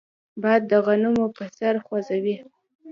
باد د غنمو پسر خوځوي